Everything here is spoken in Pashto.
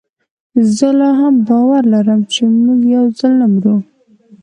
زه لا هم باور لرم چي موږ یوځل نه مرو